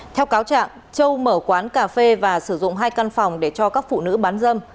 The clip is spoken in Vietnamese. theo cáo trạng châu mở quán cà phê và sử dụng hai căn phòng để cho các phụ nữ bán dâm